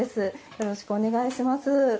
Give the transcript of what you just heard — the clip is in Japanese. よろしくお願いします。